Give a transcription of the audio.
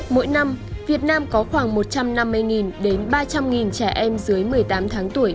mỗi năm việt nam có khoảng một trăm năm mươi đến ba trăm linh trẻ em dưới một mươi tám tháng tuổi